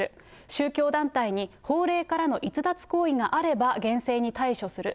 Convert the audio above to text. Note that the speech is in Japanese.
宗教団体に、法令からの逸脱行為があれば、厳正に対処する。